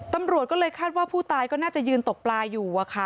ตำรวจก็เลยคาดว่าผู้ตายก็น่าจะยืนตกปลาอยู่อะค่ะ